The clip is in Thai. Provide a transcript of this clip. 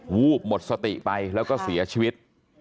วูบหมดสติไปแล้วก็เสียชีวิต